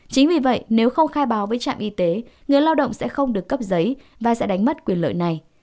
chính vì vậy nếu không khai báo với trạm y tế người lao động sẽ không được cấp giấy và sẽ đánh mất quyền lợi này